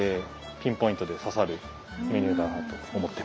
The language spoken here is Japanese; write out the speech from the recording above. ピンポイントで刺さるメニューだなと思っています。